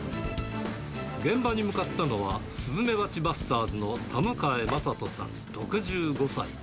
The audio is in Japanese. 現場に向かったのは、スズメバチバスターズの田迎真人さん６５歳。